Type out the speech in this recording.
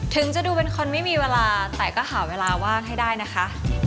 ถึงจะดูเป็นคนไม่มีเวลาแต่ก็หาเวลาว่างให้ได้นะคะ